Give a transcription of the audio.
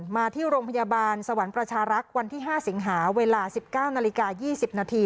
มาที่โรงพยาบาลสวรรค์ประชารักษ์วันที่๕สิงหาเวลา๑๙นาฬิกา๒๐นาที